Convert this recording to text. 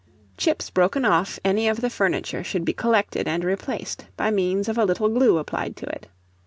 Chips broken off any of the furniture should be collected and replaced, by means of a little glue applied to it.